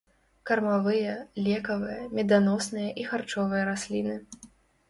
Кармавыя, лекавыя, меданосныя і харчовыя расліны.